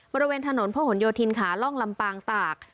บริเวณถนนพระหลโยธินขาล่องลำปางตาก